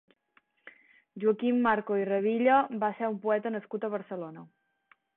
Joaquim Marco i Revilla va ser un poeta nascut a Barcelona.